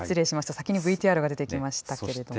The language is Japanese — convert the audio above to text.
先にＶＴＲが出てきましたけれども。